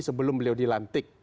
sebelum beliau dilantik